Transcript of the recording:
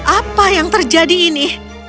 apa yang terjadi ini